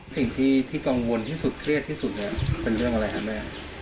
สิ่งที่กังวลที่สุดเครียดที่สุดเนี่ยเป็นเรื่องอะไรครับแม่